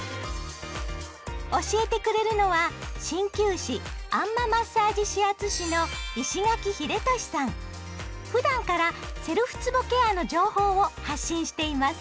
教えてくれるのは鍼灸師あん摩マッサージ指圧師のふだんからセルフつぼケアの情報を発信しています。